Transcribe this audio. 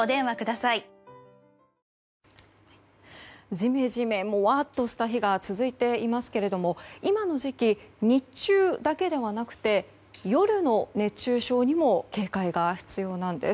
ジメジメもわっとした日が続いていますけれども今の時期、日中だけではなくて夜の熱中症にも警戒が必要なんです。